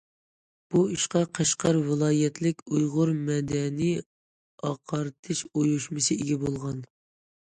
بۇ ئىشقا قەشقەر ۋىلايەتلىك‹‹ ئۇيغۇر مەدەنىي ئاقارتىش ئۇيۇشمىسى›› ئىگە بولغان.